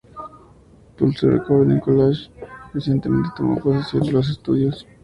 Pulse Recording College recientemente tomó posesión de los estudios.